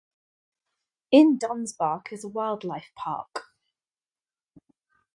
In Donsbach is a wildlife park.